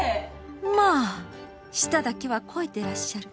まあ舌だけは肥えてらっしゃる